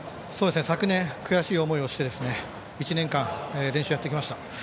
昨年、悔しい思いをして１年間練習をやってきました。